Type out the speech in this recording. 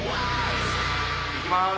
いきます。